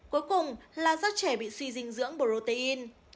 cuối cùng là rất trẻ bị suy dinh dưỡng protein